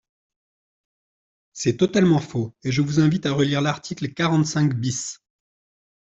C’est totalement faux et je vous invite à relire l’article quarante-cinq bis.